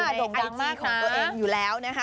อยู่ในไอจีของตัวเองอยู่แล้วนะฮะ